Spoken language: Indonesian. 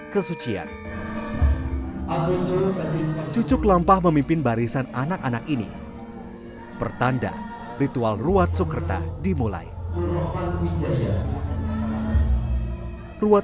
kesucian cucuk lampah memimpin barisan anak anak ini pertanda ritual ruwad sukerta dimulai ruwad